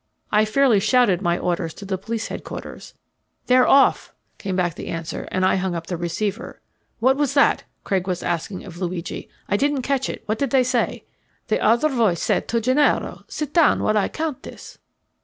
I fairly shouted my orders to the police headquarters. "They're off," came back the answer, and I hung up the receiver. "What was that?" Craig was asking of Luigi. "I didn't catch it. What did they say?" "That other voice said to Gennaro, 'Sit down while I count this.'"